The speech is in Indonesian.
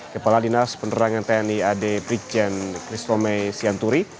kepala dinas penerangan tni ade brikjen kristome sianturi